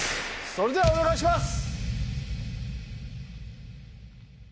それではお願いします！